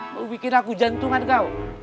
mau bikin aku jantungan kau